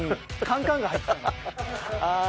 ああ。